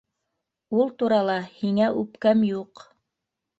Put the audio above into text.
Ул турала һиңә үпкәм юҡ.